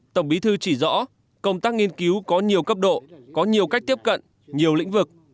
tổng bí thư chỉ rõ công tác nghiên cứu có nhiều cấp độ có nhiều cách tiếp cận nhiều lĩnh vực